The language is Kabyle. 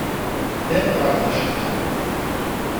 Ddant ɣer teqcelt.